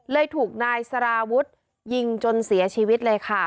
ถูกนายสารวุฒิยิงจนเสียชีวิตเลยค่ะ